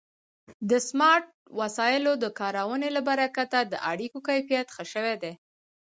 د سمارټ وسایلو د کارونې له برکته د اړیکو کیفیت ښه شوی دی.